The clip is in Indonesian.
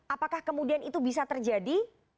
apakah kemudian itu bisa terjadi